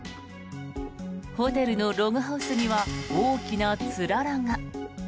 ホテルのログハウスには大きなつららが。